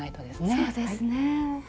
そうですね。